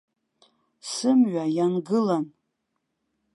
Сымҩа иангылан.